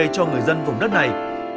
cho người dân vùng đất này